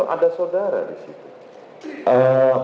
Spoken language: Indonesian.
ada saudara disitu